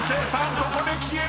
ここで消える！］